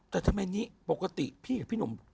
แต่ทำไมนี้ปกติพี่กับพี่หนุ่ม